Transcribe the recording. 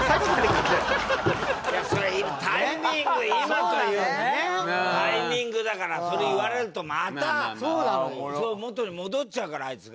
いやそれ今タイミング今というねタイミングだからそれ言われるとまた元に戻っちゃうからあいつが。